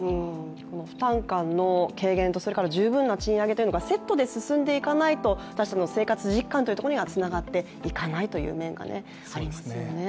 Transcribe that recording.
この負担感の軽減と十分な賃上げがセットで進んでいかないと私たちの生活実感というところにはつながっていかないという面がありますよね。